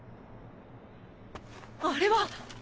あれは！